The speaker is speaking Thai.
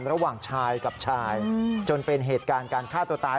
ระหว่างชายกับชายจนเป็นเหตุการณ์การฆ่าตัวตาย